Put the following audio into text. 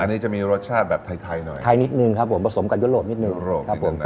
อันนี้จะมีรสชาติแบบไทยไทยหน่อยไทยนิดนึงครับผมผสมกับยุโรปนิดนึงยุโรปครับผม